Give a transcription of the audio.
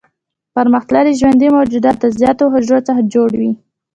پرمختللي ژوندي موجودات د زیاتو حجرو څخه جوړ وي.